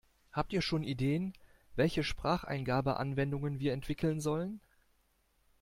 Habt ihr schon Ideen, welche Spracheingabe-Anwendungen wir entwickeln sollen?